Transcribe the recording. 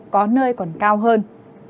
có nơi còn cao hơn